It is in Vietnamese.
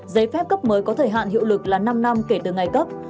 giấy phép cấp mới có thời hạn hiệu lực là năm năm kể từ ngày cấp